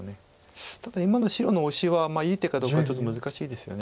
ただ今の白のオシはいい手かどうかちょっと難しいですよね。